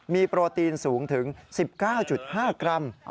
มีโปรตีนสูงถึง๑๙๕กรัม